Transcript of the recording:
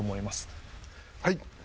はい。